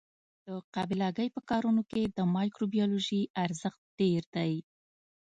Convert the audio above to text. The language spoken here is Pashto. د قابله ګۍ په کارونو کې د مایکروبیولوژي ارزښت ډېر دی.